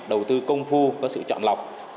đầu tư công phu có sự chọn lọc